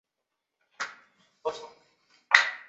河西街道是中国山东省青岛市市北区下辖的一个街道。